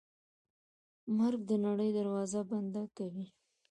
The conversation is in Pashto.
مرګ د نړۍ دروازه بنده کوي.